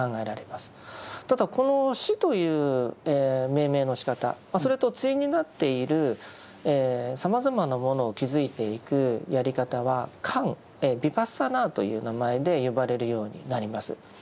あとこの「止」という命名のしかたそれと対になっているさまざまなものを気づいていくやり方は「観」「ヴィパッサナー」という名前で呼ばれるようになります。